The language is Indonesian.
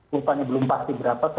bukannya belum pasti berapa